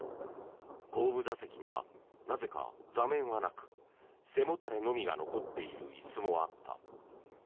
後部座席にはなぜか座面はなく背もたれのみが残っている椅子もあった。